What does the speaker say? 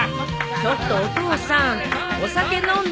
ちょっとお父さんお酒飲んで。